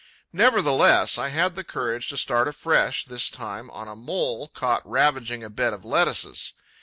Nevertheless, I had the courage to start afresh, this time on a Mole caught ravaging a bed of lettuces.